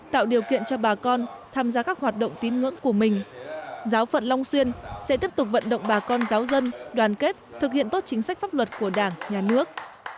tạo điều kiện cho bà con tham gia các hoạt động tín ngưỡng của mình giáo phận long xuyên sẽ tiếp tục vận động bà con giáo dân đoàn kết thực hiện tốt chính sách pháp luật của đảng nhà nước